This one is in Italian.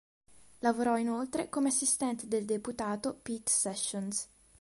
Lavorò inoltre come assistente del deputato Pete Sessions.